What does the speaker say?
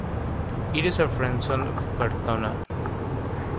It is a "frazione" of Cortona.